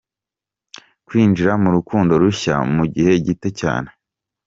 Kwinjira mu rukundo rushya mu gihe gito cyane.